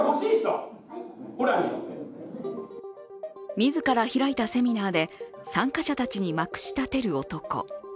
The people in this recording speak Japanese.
自ら開いたセミナーで参加者たちにまくしたてる男。